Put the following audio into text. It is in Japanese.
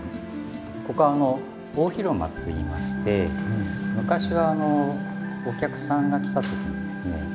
ここ大広間といいまして昔はお客さんが来た時にですね